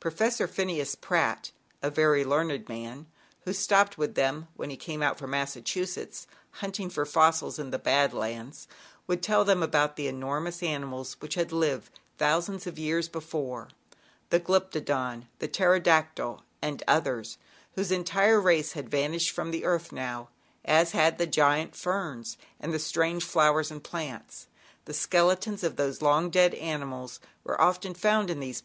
Professor Phineas Pratt a very learned man, who stopped with them when he came out from Massachusetts, hunting for fossils in the B'id Lands would tell them about the enormous animals which had lived thousands of years before, the Glyptodon, the Ptero dactyl, and others, whose entire race had vanished from the earth now, as had the giant ferns and the strange flowers and plants. The skeletons of those long dead animals were often found in these 54 ZAUBERLINDA, THE WISE WITCH.